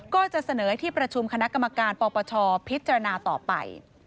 ก็จะเสนอให้ที่ประชุมคณะกรรมการปปชพิจารณาต่อไป